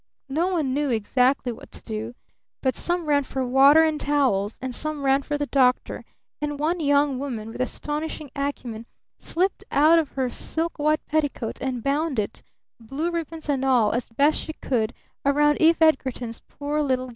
No one knew exactly what to do, but some ran for water and towels, and some ran for the doctor, and one young woman with astonishing acumen slipped out of her white silk petticoat and bound it, blue ribbons and all, as best she could, around Eve Edgarton's poor little gashed head.